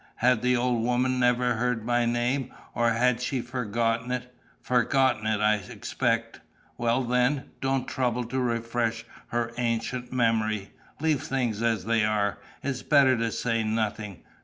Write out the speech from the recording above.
Had the old woman never heard my name, or has she forgotten it? Forgotten it, I expect. Well, then, don't trouble to refresh her ancient memory. Leave things as they are. It's better to say nothing.